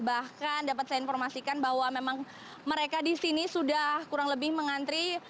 bahkan dapat saya informasikan bahwa memang mereka di sini sudah kurang lebih mengantri